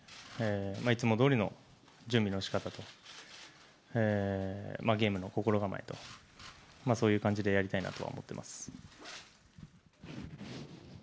いつもどおりの準備のしかたと、ゲームの心構えと、そういう感じでやりたいなとは思ってます。